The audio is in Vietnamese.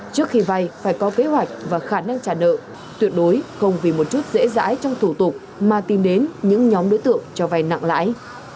trước khi vay phải có kế hoạch và khả năng trả nợ tuyệt đối không vì một chút dễ dãi trong thủ tục mà tìm đến những nhóm đối tượng cho vay nặng lãi